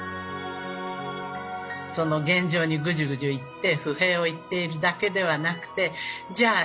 その現状にぐじゅぐじゅ言って不平を言っているだけではなくてじゃあ